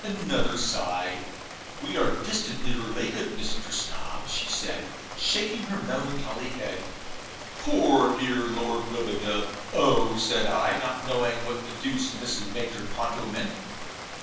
Another sigh. 'We are distantly related, Mr. Snob,' said she, shaking her melancholy head. 'Poor dear Lord Rubadub!' 'Oh!' said I; not knowing what the deuce Mrs. Major Ponto meant.